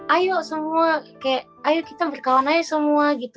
ayo semua kayak ayo kita berkawan aja semua gitu